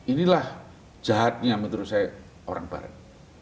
inilah jahatnya menurut saya orang barat